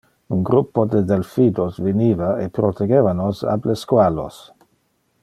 Un gruppo de delphinos veniva e protegeva nos ab le squalos.